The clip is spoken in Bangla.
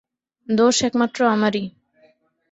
দোষ একমাত্র আমারই।